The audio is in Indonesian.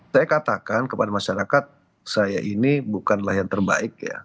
saya katakan kepada masyarakat saya ini bukanlah yang terbaik ya